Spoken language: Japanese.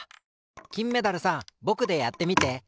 きんメダルさんぼくでやってみて。